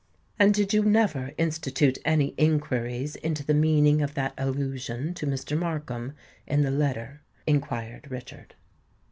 "And did you never institute any inquiries into the meaning of that allusion to Mr. Markham in the letter?" inquired Richard.